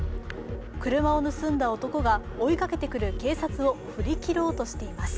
車を盗んだ男が追いかけてくる警察を振り切ろうとしています。